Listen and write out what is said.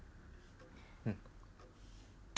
うん。